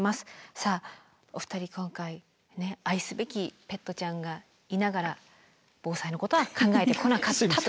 さあお二人今回愛すべきペットちゃんがいながら防災のことは考えてこなかったと。